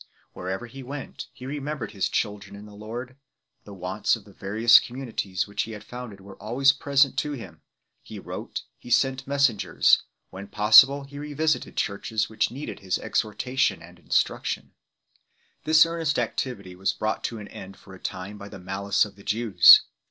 Wherever he went, he remembered his children in the Lord; the wants of the various communi ties which he had founded were always present to him; he wrote, he sent messengers, when possible he revisited churches which needed his exhortation and instruction 1 . This earnest activity was brought to an end for a time by the malice of the Jews.